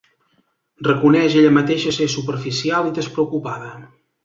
Reconeix ella mateixa ser superficial i despreocupada.